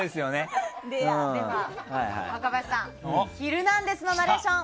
若林さん「ヒルナンデス！」のナレーション